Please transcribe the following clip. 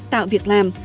tạo việc làm